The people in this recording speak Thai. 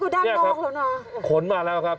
ได้ขนมาแล้วครับ